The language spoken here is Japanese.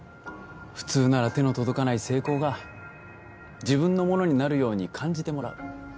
普通なら手の届かない成功が自分のものになるように感じてもらう